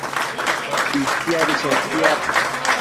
Itiabi chetiad